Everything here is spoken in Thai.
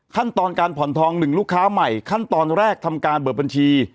ขั้นตอนการผ่อนทอง๑ลูกค้าใหม่ขั้นตอนแรกทำการเปิดบัญชี